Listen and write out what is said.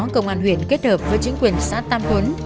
công an huyền kết hợp với chính quyền xã tam tuấn